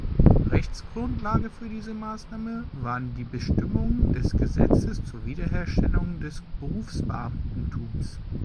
Rechtsgrundlage für diese Maßnahme waren die Bestimmungen des Gesetzes zur Wiederherstellung des Berufsbeamtentums.